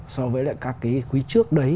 so với lại các cái quý trước đấy